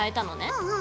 うんうん。